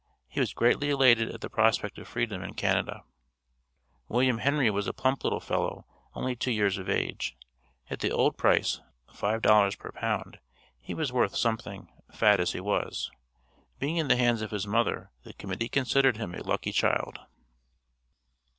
He was greatly elated at the prospect of freedom in Canada. William Henry was a plump little fellow only two years of age. At the old price (five dollars per pound) he was worth something, fat as he was. Being in the hands of his mother, the Committee considered him a lucky child.